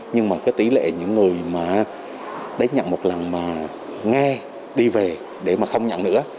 nhưng mà cái tỷ lệ những người mà đến nhận một lần mà nghe đi về để mà không nhận nữa